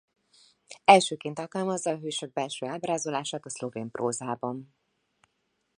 Elsőként alkalmazza a hősök belső ábrázolását a szlovén prózában.